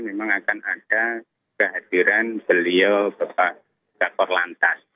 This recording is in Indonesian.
memang akan ada kehadiran beliau bapak kakor lantas